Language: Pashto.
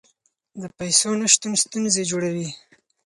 د پیسو نشتون ستونزې جوړوي.